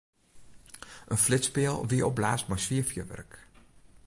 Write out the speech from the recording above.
In flitspeal wie opblaasd mei swier fjurwurk.